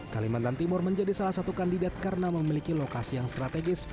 kalimantan timur menjadi salah satu kandidat karena memiliki lokasi yang strategis